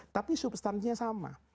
tapi substansinya sama